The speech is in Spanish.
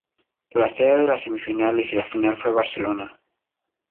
La sede de las semifinales y la final fue Barcelona.